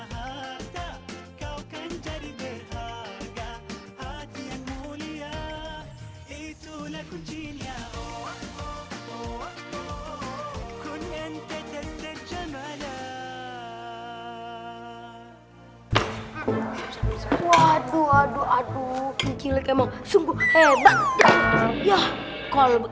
hatta kau kan jadi berharga hatian mulia itulah kuncinya